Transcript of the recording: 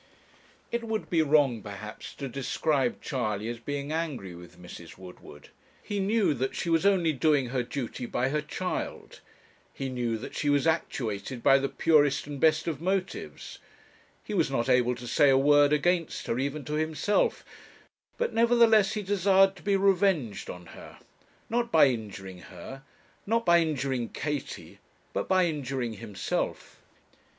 It would be wrong, perhaps, to describe Charley as being angry with Mrs. Woodward. He knew that she was only doing her duty by her child; he knew that she was actuated by the purest and best of motives; he was not able to say a word against her even to himself; but, nevertheless, he desired to be revenged on her not by injuring her, not by injuring Katie but by injuring himself.